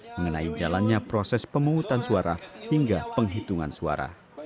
mengenai jalannya proses pemungutan suara hingga penghitungan suara